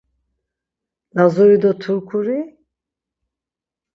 Lazuri do Turkuri?